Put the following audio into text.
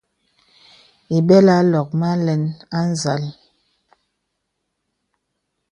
Ìbɛlə mə lɔ̀k mə alɛn â nzàl.